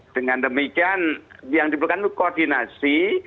dengan demikian yang diperlukan itu koordinasi